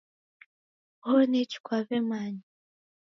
Oho nechi kwaw'emanya.